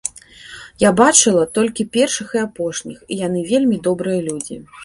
Я бачыла толькі першых і апошніх, і яны вельмі добрыя людзі.